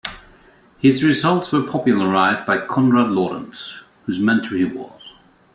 His results were popularised by Konrad Lorenz, whose mentor he was.